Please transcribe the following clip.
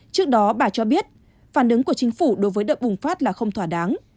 trước đó bà cho biết phản ứng của chính phủ đối với đợt bùng phát là không thỏa đáng